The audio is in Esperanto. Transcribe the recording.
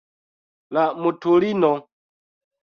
La mutulino.